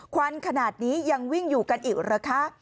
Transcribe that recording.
ควันขนาดนี้ยังวิ่งอยู่กันอีกเหรอคะ